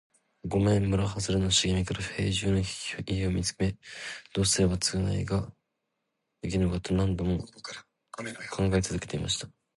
ごんは村はずれの茂みから兵十の家を見つめ、どうすれば償いができるのかと何度も考え続けていました。